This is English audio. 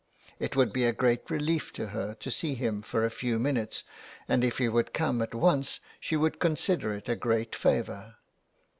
It would be a great relief to her to see him for a few minutes, and if he would come at once she would consider it a great favour.